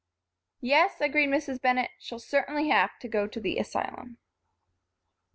"Yes," agreed Mrs. Bennett, "she'll certainly have to go to the asylum."